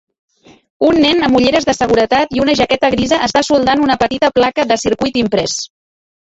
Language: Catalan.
Un nen amb ulleres de seguretat i una jaqueta grisa està soldant una petita placa de circuit imprès.